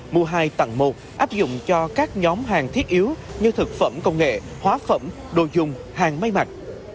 mùa hai tặng một áp dụng cho các nhóm hàng thiết yếu như thực phẩm công nghệ hóa phẩm đồ dùng hàng may mặt